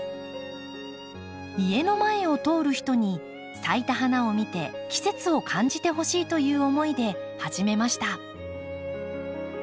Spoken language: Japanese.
家の前を通る人に咲いた花を見て季節を感じてほしいという思いで始めました。